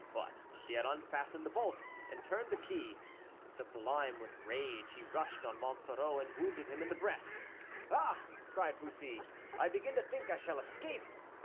But he had unfastened the bolt, and turned the key. Sublime with rage, he rushed on Monsoreau, and wounded him in the breast. "Ah!" cried Bussy, "I begin to think I shall escape."